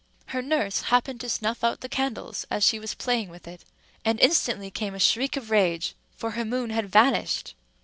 Her nurse happened to snuff out the candles as she was playing with it; and instantly came a shriek of rage, for her moon had vanished.